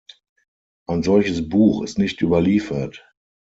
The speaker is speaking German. Ein solches Buch ist nicht überliefert.